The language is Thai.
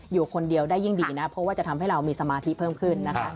อยู่คนเดียวได้ยิ่งดีนะเพราะว่าจะทำให้เรามีสมาธิเพิ่มขึ้นนะคะ